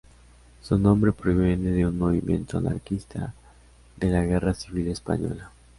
Su nombre proviene de un movimiento anarquista de la Guerra Civil Española.